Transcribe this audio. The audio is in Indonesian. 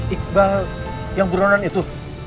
iqbal yang buruan itu